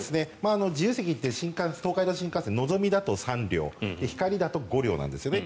自由席って東海道新幹線のぞみだと３両ひかりだと５両なんですよね。